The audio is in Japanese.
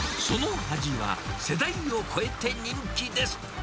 その味は、世代を超えて人気です。